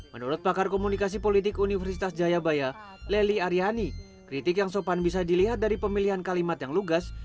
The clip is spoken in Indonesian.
menurut pakar komunikasi politik universitas jayabaya leli aryani kritik yang sopan bisa dilihat dari pemilihan kalimat yang lugas